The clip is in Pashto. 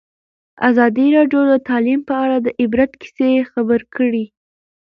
ازادي راډیو د تعلیم په اړه د عبرت کیسې خبر کړي.